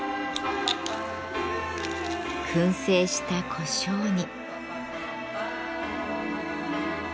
燻製したこしょうに。